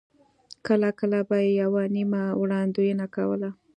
کله کله به یې یوه نیمه وړاندوینه کوله.